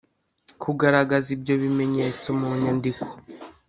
kugaragaza ibyo bimenyetso mu nyandiko